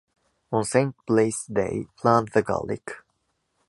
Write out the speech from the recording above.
On St. Blaise’s Day, plant the garlic.